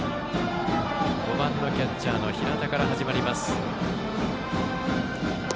５番キャッチャーの平田から始まります。